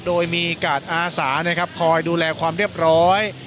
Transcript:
โดยมีกาดอาสานะครับคอยดูแลความเรียบร้อย